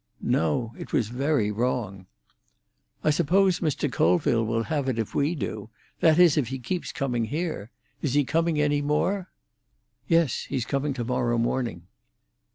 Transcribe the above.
"No; it was very wrong." "I suppose Mr. Colville will have it if we do. That is, if he keeps coming here. Is he coming any more?" "Yes; he's coming to morrow morning."